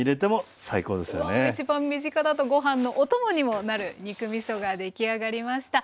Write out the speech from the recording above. わあ一番身近だとご飯のお供にもなる肉みそが出来上がりました。